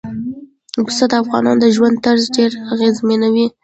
پسه د افغانانو د ژوند طرز ډېر اغېزمنوي.